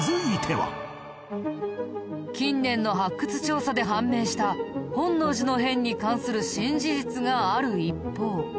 近年の発掘調査で判明した本能寺の変に関する新事実がある一方。